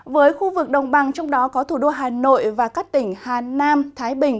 với khu vực đồng bằng trong đó có thủ đô hà nội và các tỉnh hà nam thái bình